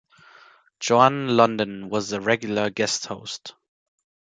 Joan Lunden was a regular guest host.